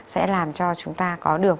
sẽ làm cho chúng ta có được